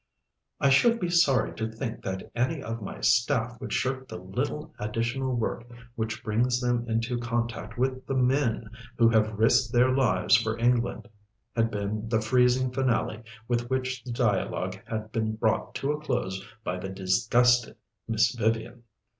"I should be sorry to think that any of my staff would shirk the little additional work which brings them into contact with the men who have risked their lives for England," had been the freezing finale with which the dialogue had been brought to a close by the disgusted Miss Vivian.